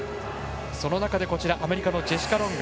その中でアメリカのジェシカ・ロング。